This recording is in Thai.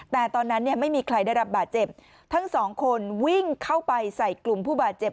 แต่ตอนนั้นเนี่ยไม่มีใครได้รับบาดเจ็บทั้งสองคนวิ่งเข้าไปใส่กลุ่มผู้บาดเจ็บ